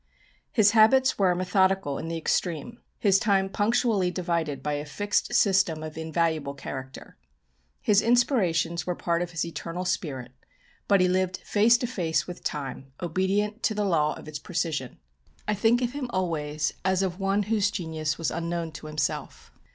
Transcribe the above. His habits were methodical in the extreme; his time punctually divided by a fixed system of invaluable character. His inspirations were part of his eternal spirit, but he lived face to face with time, obedient to the law of its precision. I think of him always as of one whose genius was unknown to himself.